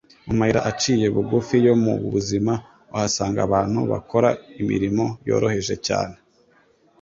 Mu mayira aciye bugufi yo mu buzima, uhasanga abantu bakora imirimo yoroheje cyane,